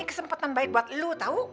ini kesempatan baik buat lo tau